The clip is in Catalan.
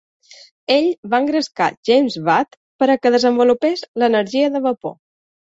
Ell va engrescar James Watt per a que desenvolupés l'energia de vapor.